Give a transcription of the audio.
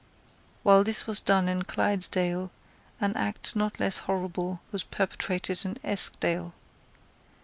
While this was done in Clydesdale, an act not less horrible was perpetrated in Eskdale.